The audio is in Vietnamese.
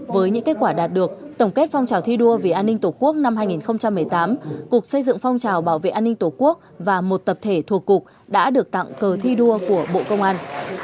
với những kết quả đạt được tổng kết phong trào thi đua vì an ninh tổ quốc năm hai nghìn một mươi tám cục xây dựng phong trào bảo vệ an ninh tổ quốc và một tập thể thuộc cục đã được tặng cờ thi đua của bộ công an